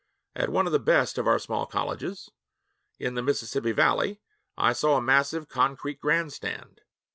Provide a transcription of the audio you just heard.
At one of the best of our small colleges, in the Mississippi Valley, I saw a massive concrete grandstand.